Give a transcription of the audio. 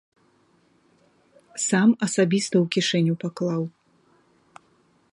Сам асабіста ў кішэню паклаў.